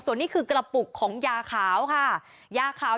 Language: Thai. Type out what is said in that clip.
ส่วนคือกรปุกของยาขาว